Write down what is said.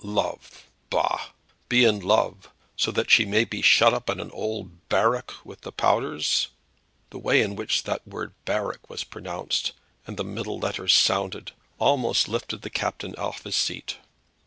"Love! Bah! Be in love, so that she may be shut up in an old barrack with de powders!" The way in which that word barrack was pronounced, and the middle letters sounded, almost lifted the captain off his seat.